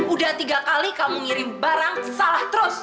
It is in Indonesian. udah tiga kali kamu ngirim barang salah terus